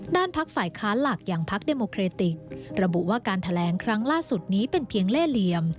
ด้านพักฝ่ายค้านหลักอย่างพักเดโมเครติกระบุว่าการแถลงครั้งล่าสุดนี้เป็นเพียงเล่เหลี่ยม